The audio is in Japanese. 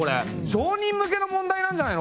商人向けの問題なんじゃないの？